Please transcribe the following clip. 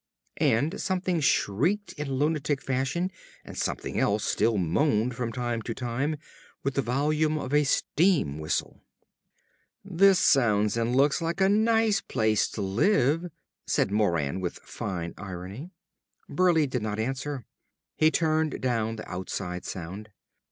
And something shrieked in lunatic fashion and something else still moaned from time to time with the volume of a steam whistle.... "This sounds and looks like a nice place to live," said Moran with fine irony. Burleigh did not answer. He turned down the outside sound.